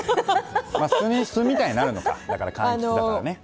酢みたいになるのかかんきつだからね。